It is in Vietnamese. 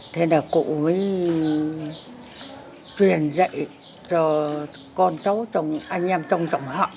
thế là cụ mới truyền dạy cho con cháu anh em trong trọng họ